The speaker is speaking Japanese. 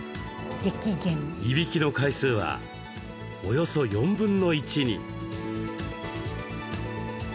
いびきの回数はおよそ４分の１に。